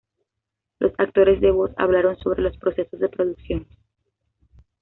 Los actores de voz hablaron sobre los procesos de producción.